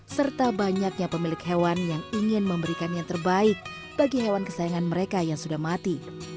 serta banyaknya pemilik hewan yang ingin memberikan yang terbaik bagi hewan kesayangan mereka yang sudah mati